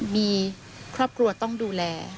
มีครอบครัวต้องดูแล